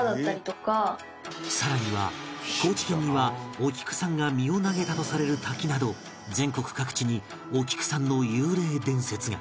更には高知県にはお菊さんが身を投げたとされる滝など全国各地にお菊さんの幽霊伝説が